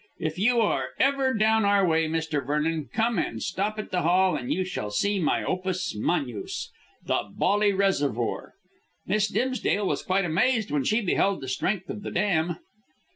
If you are ever down our way, Mr. Vernon, come and stop at the Hall and you shall see my opus magnus the Bolly Reservoir. Miss Dimsdale was quite amazed when she beheld the strength of the dam."